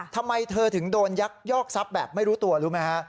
ทำไมเธอถึงโดนยักยอกทรัพย์แบบไม่รู้ตัวรู้ไหมฮะ